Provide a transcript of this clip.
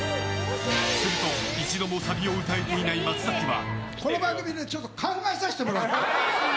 すると、一度もサビを歌えていない松崎は。